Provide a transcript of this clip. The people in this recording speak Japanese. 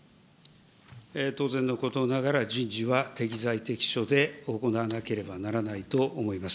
当然のことながら、人事は適材適所で行わなければならないと思います。